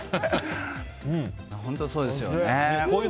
本当そうですよね。